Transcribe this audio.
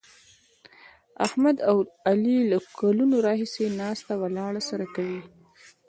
احمد او علي له کلونو راهسې ناسته ولاړه سره کوي.